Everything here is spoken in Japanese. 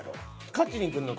勝ちにくるのを。